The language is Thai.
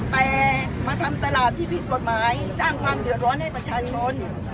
แต่มาทำตลาดที่ผิดกฎหมายสร้างความเดือดร้อนให้ประชาชน